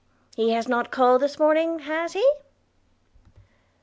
he has not called this morning, has he?'